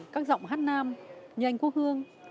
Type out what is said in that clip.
các giọng hát nam như anh quốc hương